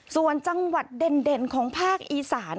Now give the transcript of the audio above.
ส่วนจังหวัดเด่นของภาคอีสาน